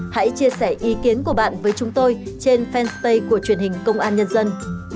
hãy chia sẻ ý kiến của bạn với chúng tôi trên fanpage của truyền hình công an nhân dân